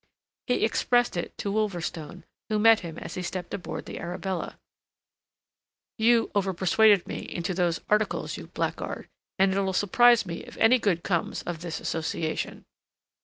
He expressed it to Wolverstone, who met him as he stepped aboard the Arabella: "You over persuaded me into those articles, you blackguard; and it'll surprise me if any good comes of this association."